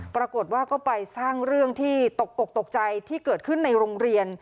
ปรากฏว่าก็ไปสร้างเรื่องที่ตกอกตกใจที่เกิดขึ้นในโรงเรียน